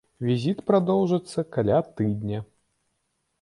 Візіт прадоўжыцца каля тыдня.